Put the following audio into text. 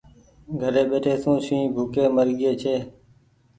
گھري ٻيٺي سون شنهن ڀوُڪي مرگيئي ڇي۔